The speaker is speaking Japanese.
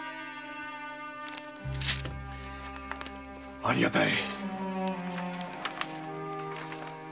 ありがたい。